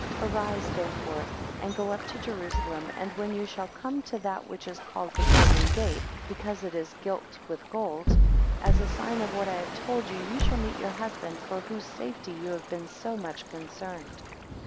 6 Arise therefore, and go up to Jerusalem, and when you shall come to that which is called the golden gate (because it is gilt with gold), as a sign of what I have told you, you shall meet your husband, for whose safety you have been so much concerned.